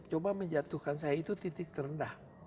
coba menjatuhkan saya itu titik terendah